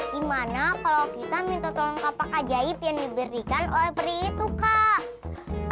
gimana kalau kita minta tolong kakak kajaib yang diberikan oleh pri itu kak